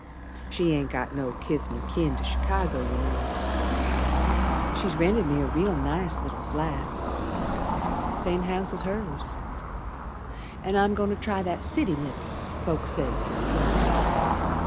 She ain't got no kith nor kin to Chicago, you know She's rented me a real nice little flat, Same house as hers, An' I'm goin' to try that city livin' folks say's so pleasant.